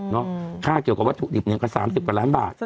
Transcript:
ค่าเกี่ยวกับวัตถุดิบเนี่ยก็๓๐กว่าล้านบาท